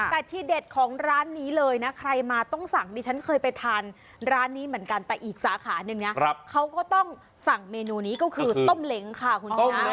แต่ที่เด็ดของร้านนี้เลยนะใครมาต้องสั่งดิฉันเคยไปทานร้านนี้เหมือนกันแต่อีกสาขาหนึ่งนะเขาก็ต้องสั่งเมนูนี้ก็คือต้มเหล็งค่ะคุณชนะ